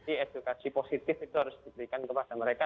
jadi edukasi positif itu harus diberikan kepada mereka